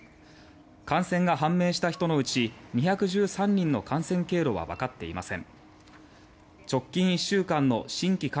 感染が判明した人のうち２１３人の感染経路は分かっていません。